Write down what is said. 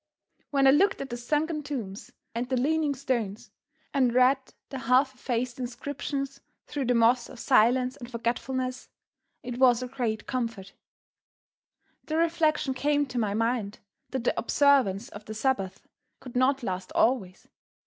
When I looked at the sunken tombs and the leaning stones, and read the half effaced inscriptions through the moss of silence and forgetfulness, it was a great comfort. The reflection came to my mind that the observance of the Sabbath could not last always.